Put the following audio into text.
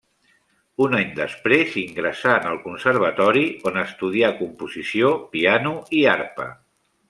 Un any després ingressà en el conservatori, on estudià composició, piano i arpa.